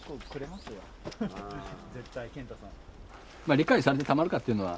理解されてたまるかっていうのは。